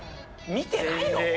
見てないの？